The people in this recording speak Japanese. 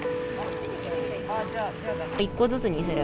一個ずつにする？